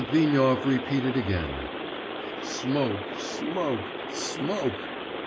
But Litvinov repeated again, 'Smoke, smoke, smoke!